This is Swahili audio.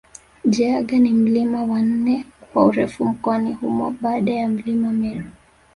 Jaeger ni mlima wa nne kwa urefu mkoani humo baada ya milima Meru